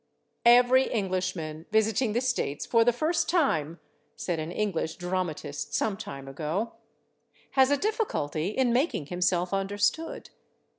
"Every Englishman visiting the States for the first time," said an English dramatist some time ago, "has a difficulty in making himself understood.